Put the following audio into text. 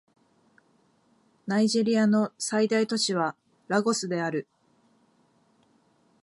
ナイジェリアの最大都市はラゴスである